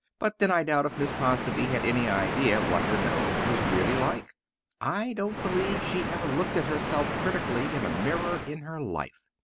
But then I doubt if Miss Ponsonby had any idea what her nose was really like. I don't believe she ever looked at herself critically in a mirror in her life.